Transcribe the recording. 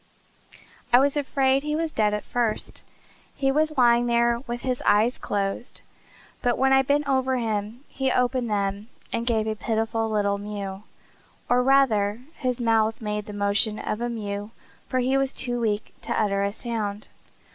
I was afraid he was dead at first. He was lying there with his eyes closed; but when I bent over him he opened them and gave a pitiful little mew; or rather his mouth made the motion of a mew, for he was too weak to utter a sound."